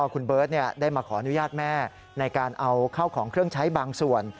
คุณเบิร์ตได้มาขออนุญาตแม่ในการเอาข้าวของเครื่องใช้บางส่วน